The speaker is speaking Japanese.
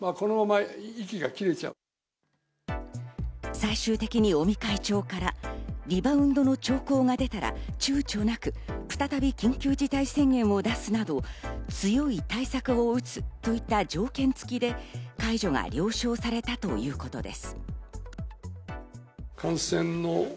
最終的に尾身会長からリバウンドの兆候が出たら躊躇なく再び緊急事態宣言を出すなど、強い対策を打つといった条件付きで解除が了承されたということです。